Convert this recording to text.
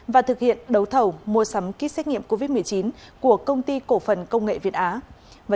và thực hiện đấu thầu mua sắm kit xét nghiệm covid một mươi chín của công ty cổ phần công nghệ việt á